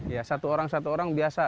ya satu orang satu orang biasa